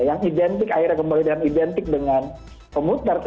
yang identik akhirnya kembali dan identik dengan komuter